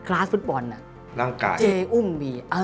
ล่างกาย